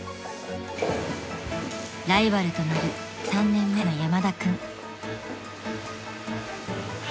［ライバルとなる３年目の山田君］